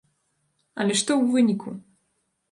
Але што ў выніку?